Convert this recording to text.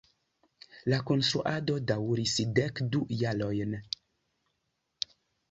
La konstruado daŭris dek du jarojn.